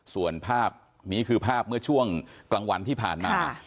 ส่วนภาพนี้คือภาพเมื่อช่วงกลางวันที่ผ่านมา